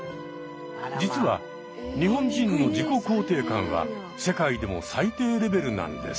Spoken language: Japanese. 実は日本人の自己肯定感は世界でも最低レベルなんです。